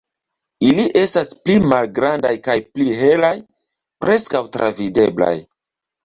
Ili estas pli malgrandaj kaj pli helaj, preskaŭ travideblaj.